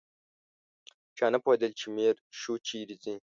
چا نه پوهېدل چې میرشو چیرې ځي.